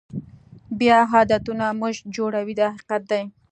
بیا عادتونه موږ جوړوي دا حقیقت دی.